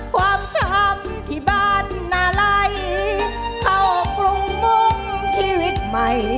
ความช้ำที่บ้านนาลัยเข้ากรุงมุ่งชีวิตใหม่